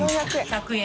１００円。